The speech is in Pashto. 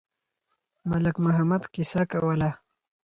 ملک محمد قصه کوله.